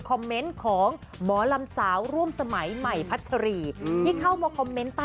คือว่าข้ารุญให้มีน้อง